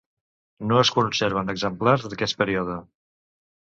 No es conserven exemplars d'aquest període.